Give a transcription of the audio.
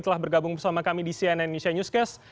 telah bergabung bersama kami di cnn indonesia newscast